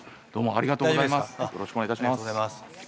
ありがとうございます。